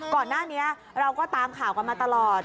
ก่อนหน้านี้เราก็ตามข่าวกันมาตลอด